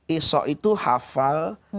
ihsok itu hafal